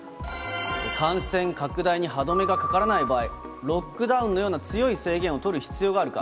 感染拡大に歯止めがかからない場合、ロックダウンのような強い制限を取る必要があるか。